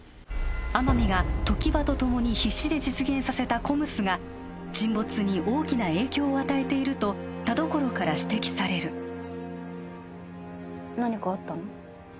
天海が常盤とともに必死で実現させたＣＯＭＳが沈没に大きな影響を与えていると田所から指摘される何かあったの？